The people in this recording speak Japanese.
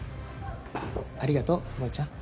ありがとう萌ちゃん。